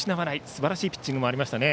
すばらしいピッチングもありました。